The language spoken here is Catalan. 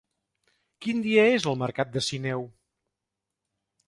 Quin dia és el mercat de Sineu?